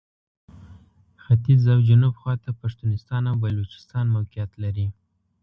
ختیځ او جنوب خواته پښتونستان او بلوچستان موقعیت لري.